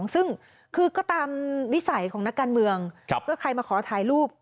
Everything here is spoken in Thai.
ซึ่งคือก็ตามวิสัยของนักการเมืองเพื่อใครมาขอถ่ายรูป